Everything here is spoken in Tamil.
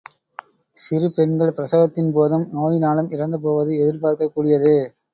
சிறுபெண்கள் பிரசவத்தின் போதும் நோயினாலும் இறந்துபோவது எதிர்பார்க்கக் கூடியதே!